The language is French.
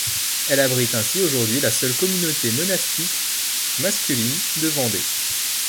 Elle abrite ainsi aujourd'hui la seule communauté monastique masculine de Vendée.